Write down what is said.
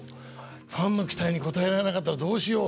ファンの期待に応えられなかったらどうしようと。